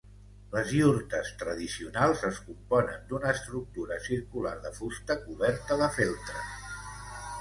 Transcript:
Les iurtes tradicionals es componen d'una estructura circular de fusta coberta de feltre.